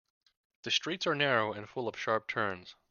The streets are narrow and full of sharp turns.